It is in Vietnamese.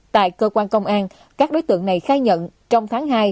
tại cơ quan công an các đối tượng này khai nhận trong tháng hai